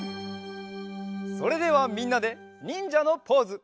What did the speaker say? それではみんなでにんじゃのポーズ！